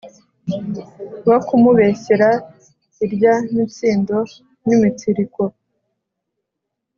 bwokumubeshyara irya mitsindo nimitsiriko